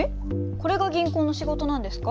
これが銀行の仕事なんですか？